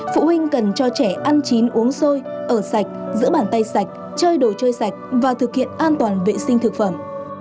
phụ huynh cần cho trẻ ăn chín uống sôi ở sạch giữ bàn tay sạch chơi đồ chơi sạch và thực hiện an toàn vệ sinh thực phẩm